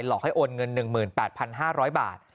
อกให้โอนเงิน๑๘๕๐๐บาท